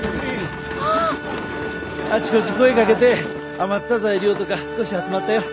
あちこち声かけて余った材料とか少し集まったよ。